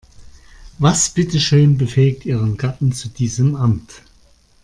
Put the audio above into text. Was bitteschön befähigt ihren Gatten zu diesem Amt?